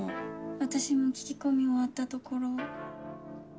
私も聞き込み終わったところ。